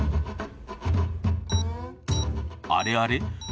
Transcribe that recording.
あれあれ？